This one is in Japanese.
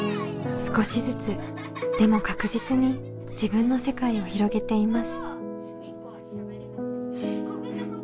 少しずつでも確実に自分の世界を広げています。